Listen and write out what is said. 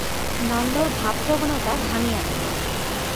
নন্দর ভাবপ্রবণতা ভাঙিয়া গেল।